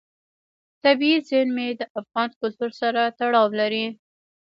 طبیعي زیرمې د افغان کلتور سره تړاو لري.